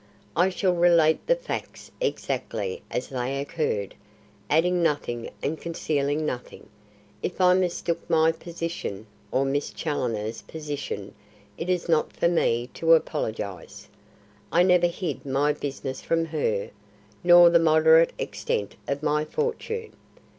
"I shall relate the facts exactly as they occurred, adding nothing and concealing nothing. If I mistook my position, or Miss Challoner's position, it is not for me to apologise. I never hid my business from her, nor the moderate extent of my fortune.